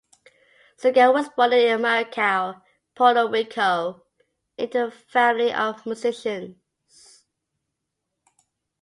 Segarra was born in Maricao, Puerto Rico into a family of musicians.